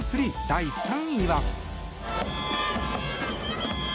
第３位は。